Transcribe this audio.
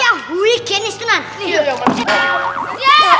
ya hui higienis tenang